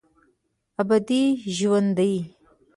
ابدي ژوندي